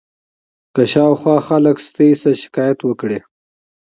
که شاوخوا خلک له تاسې نه شکایت وکړي.